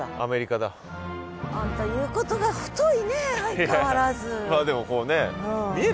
あんた言うことが太いね相変わらず。